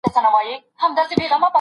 چېري وتلي سیاستوال ژوند کوي؟